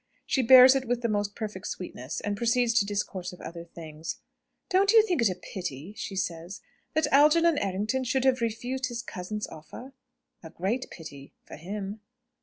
She bears it with the most perfect sweetness, and proceeds to discourse of other things. "Don't you think it a pity," she says, "that Algernon Errington should have refused his cousin's offer?" "A great pity for him."